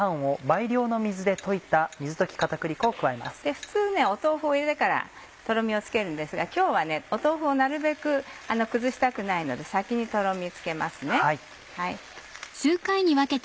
普通豆腐を入れてからとろみをつけるんですが今日は豆腐をなるべく崩したくないので先にとろみつけます。